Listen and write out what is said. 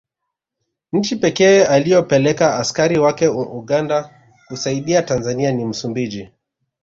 Nchi pekee iliyopeleka askari wake Uganda kuisaidia Tanzania ni Msumbiji